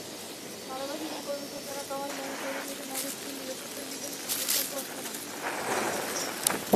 মানবাধিকার কর্মী সুলতানা কামাল মনে করেন, এটা নাগরিকদের নিরাপত্তা বিধানের সর্বোত্তম পন্থা না।